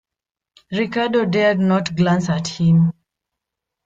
Ricardo dared not glance at him.